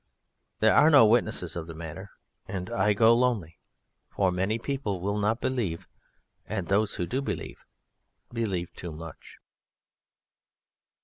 There are no witnesses of the matter, and I go lonely, for many people will not believe, and those who do believe believe too much.